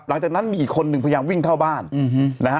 หลังจากนั้นมีอีกคนนึงพยายามวิ่งเข้าบ้านนะฮะ